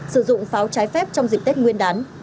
sử dụng pháo trái phép trong dịp tết nguyên đán